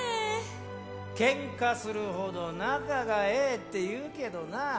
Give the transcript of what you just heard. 「喧嘩するほど仲がええ」っていうけどな。